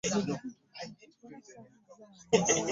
Awatali bujulizi bulaga kwekubiira buba bw'ogerwako.